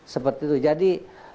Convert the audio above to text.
seperti itu jadi